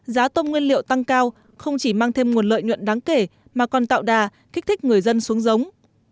giá tôm nguyên liệu tăng cao không chỉ mang thêm nguồn lợi nhuận đáng kể mà còn tạo đà kích thích người dân xuống giống